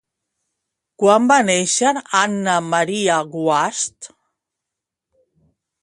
Quan va néixer Anna Maria Guasch?